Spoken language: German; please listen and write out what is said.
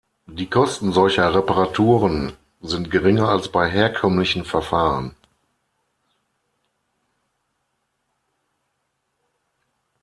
Die Kosten solcher Reparaturen sind geringer als bei herkömmlichen Verfahren.